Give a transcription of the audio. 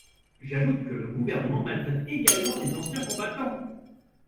J’ajoute que le Gouvernement maltraite également les anciens combattants.